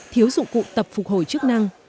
thiếu dụng cụ tập phục hồi chức năng